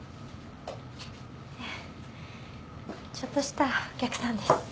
ええちょっとしたお客さんです。